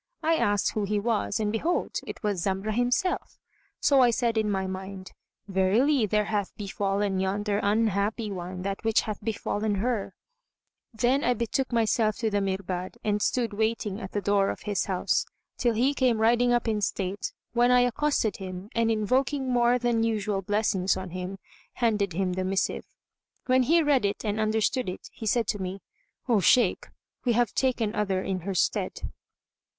I asked who he was and behold, it was Zamrah himself: so I said in my mind, "Verily, there hath befallen yonder unhappy one that which hath befallen her[FN#165]!" Then I betook myself to the Mirbad and stood waiting at the door of his house, till he came riding up in state, when I accosted him and invoking more than usual blessings on him, handed him the missive. When he read it and understood it he said to me, "O Shaykh, we have taken other in her stead.